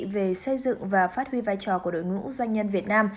về xây dựng và phát huy vai trò của đội ngũ doanh nhân việt nam